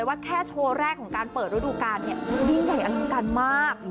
เอ้ยมันเธอส่วนที่ที่สุดอยู่ทางนี้สัญญานี้สัญญาที่สุดอยู่